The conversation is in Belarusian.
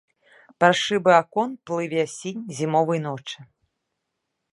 Праз шыбы акон плыве сінь зімовай ночы.